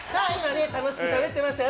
楽しくしゃべってましたよ